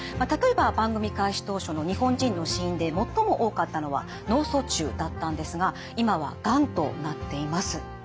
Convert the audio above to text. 例えば番組開始当初の日本人の死因で最も多かったのは脳卒中だったんですが今はがんとなっています。